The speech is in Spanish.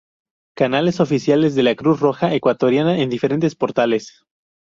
Canales oficiales de la Cruz Roja Ecuatoriana en diferentes portales